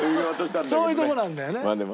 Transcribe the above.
そういうとこなんだよね。